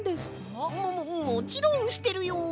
もももちろんしてるよ！